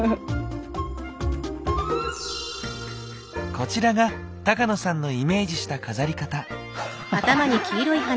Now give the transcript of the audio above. こちらが高野さんのイメージした飾り方。